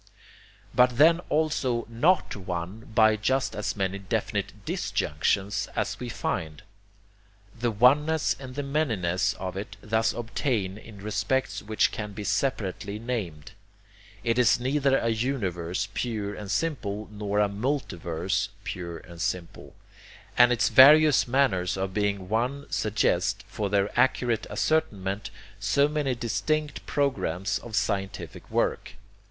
But then also NOT one by just as many definite DISjunctions as we find. The oneness and the manyness of it thus obtain in respects which can be separately named. It is neither a universe pure and simple nor a multiverse pure and simple. And its various manners of being one suggest, for their accurate ascertainment, so many distinct programs of scientific work.